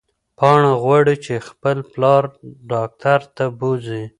پاڼه غواړي چې خپل پلار ډاکټر ته بوځي.